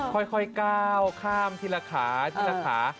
ค่อยก้าวข้ามทีละขาทีละขา